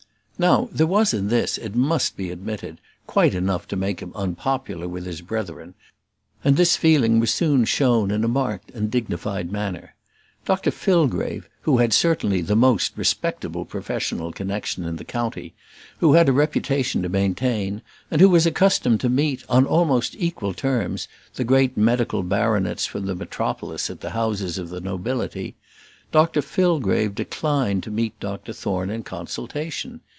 Now there was in this, it must be admitted, quite enough to make him unpopular with his brethren; and this feeling was soon shown in a marked and dignified manner. Dr Fillgrave, who had certainly the most respectable professional connexion in the county, who had a reputation to maintain, and who was accustomed to meet, on almost equal terms, the great medical baronets from the metropolis at the houses of the nobility Dr Fillgrave declined to meet Dr Thorne in consultation.